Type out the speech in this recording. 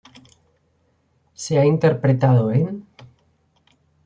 Se ha interpretado enː